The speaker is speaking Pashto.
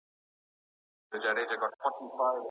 د بودیجې زیاتوالی څه مرسته کوي؟